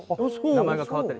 名前が変わったり。